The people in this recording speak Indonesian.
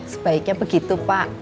sebaiknya begitu pak